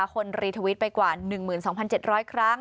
คนรีทวิตไปกว่า๑๒๗๐๐ครั้ง